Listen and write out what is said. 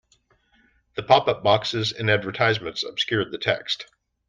The pop-up boxes and advertisements obscured the text